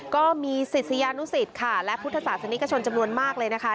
ก็มีศิษยานุสิตค่ะและพุทธศาสนิกชนจำนวนมากเลยนะคะ